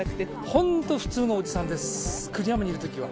本当普通のおじさんです、栗山にいるときは。